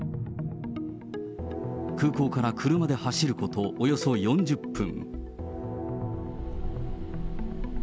空港から車で走ることおよそ４０分。